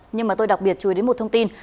nhưng mà tôi đặc biệt chui đến một thông tin